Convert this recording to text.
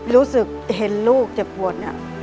รู้สึกเห็นลูกเจ็บปวดเนี่ย